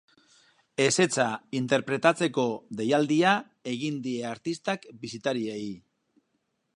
Ezetza interpretatzeko deialdia egin die artistak bisitariei.